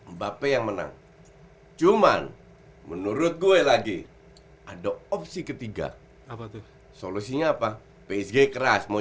mbappe yang menang cuman menurut gue lagi ada opsi ketiga apa tuh solusinya apa psg keras mau